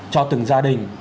cho từng gia đình